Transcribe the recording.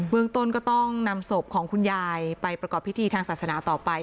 เมืองต้นก็ต้องนำศพของคุณยายไปประกอบพิธีทางศาสนาต่อไป